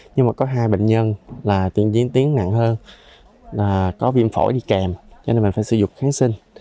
nhưng mà có hai bệnh nhân là tiến diễn tiến nặng hơn là có viêm phổi đi kèm cho nên mình phải sử dụng kháng sinh